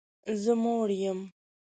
زه موړ یم